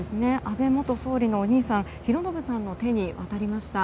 安倍元総理のお兄さん寛信さんの手に渡りました。